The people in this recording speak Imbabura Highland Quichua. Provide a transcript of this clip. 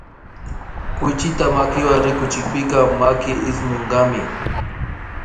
Kuychita makiwan rikuchikpika maki ismunkami